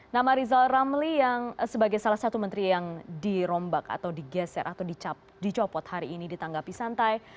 nama rizal ramli yang sebagai salah satu menteri yang dirombak atau digeser atau dicopot hari ini ditanggapi santai